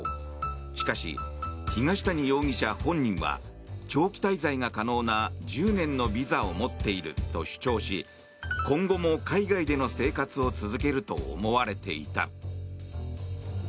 しかし、東谷容疑者本人は長期滞在が可能な１０年のビザを持っていると主張し今後も海外での生活を続けると思われていた。